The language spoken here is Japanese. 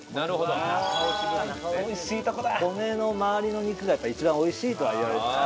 骨の周りの肉がやっぱり一番おいしいとはいわれて。